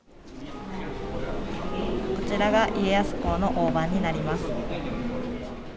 こちらが家康公の大判になります。